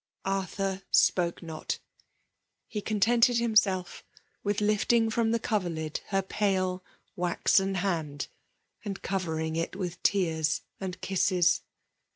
Arthur spoke not. He contented himself with lifting firom the coverUd her pale, waxen hand, and covering it with tears and kisses.